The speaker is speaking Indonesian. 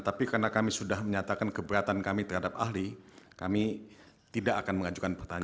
tapi karena kami sudah menyatakan keberatan kami terhadap ahli kami tidak akan mengajukan pertanyaan